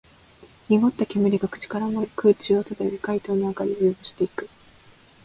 濁った煙が口から漏れ、空中を漂い、街灯の明かりを汚していく